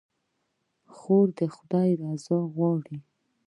خور د خدای رضا غواړي.